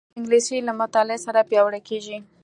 انګلیسي له مطالعې سره پیاوړې کېږي